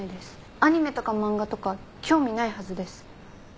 アニメとか漫画とか興味ないはずです。